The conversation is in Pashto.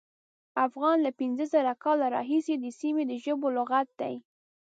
افغان له پینځه زره کاله راهیسې د سیمې د ژبو لغت دی.